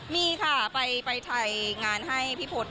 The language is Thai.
มีค่ะไปถ่ายงานให้พี่พศ